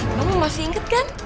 emang kamu masih inget kan